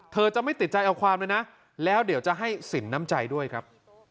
เธอจะไม่ติดใจเอาความเลยนะแล้วเดี๋ยวจะให้สินน้ำใจด้วยครับ